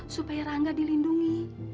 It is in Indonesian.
supaya rangga dilindungi